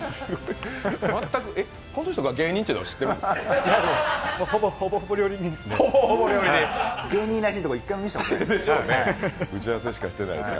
この人が芸人というのは知ってるんですか？